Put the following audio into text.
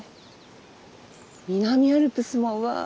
南アルプスもわ。